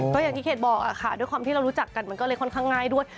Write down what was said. ก็อย่างที่เขตบอกค่ะด้วยความที่เรารู้จักกันมันก็เลยค่อนข้างง่ายด้วย